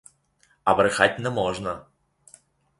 А брехать не можна.